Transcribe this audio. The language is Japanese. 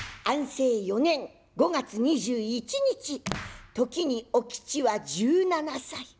安政４年５月２１日時にお吉は１７歳。